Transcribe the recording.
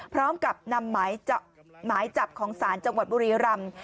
พร้อมกับนำหมายจับของศาลจังหวัดบุรีรำ